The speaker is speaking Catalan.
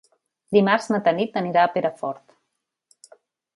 Dimarts na Tanit anirà a Perafort.